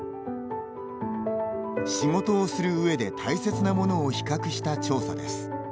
仕事をするうえで大切なものを比較した調査です。